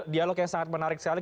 dialog yang sangat menarik sekali